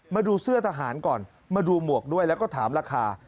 มาดูเสื้อทหารก่อนมาดูหมวกด้วยแล้วก็ถามราคา